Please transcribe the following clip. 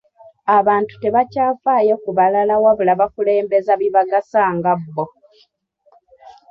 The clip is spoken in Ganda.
Abantu tebakyafaayo ku balala wabula bakulembeza bibagasa nga bbo.